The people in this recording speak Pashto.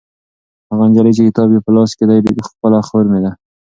هغه نجلۍ چې کتاب یې په لاس کې دی خپله خور مې ده.